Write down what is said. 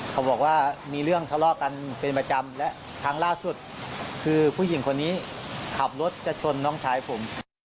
เขาบอกว่ามีเรื่องทะเลาะกันเป็นประจำและครั้งล่าสุดคือผู้หญิงคนนี้ขับรถจะชนน้องชายผม